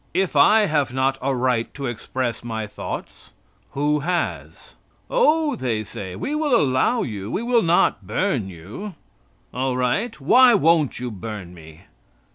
If I have not a right to express my thoughts, who has? "Oh," they say, "we will allow you, we will not burn you." "All right; why won't you burn me?"